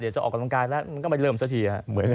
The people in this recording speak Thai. เดี๋ยวจะออกกำลังกายแล้วมันก็ไม่เริ่มซะที